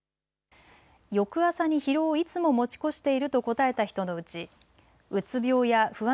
翌朝に疲労をいつも持ち越していると答えた人のうちうつ病や不安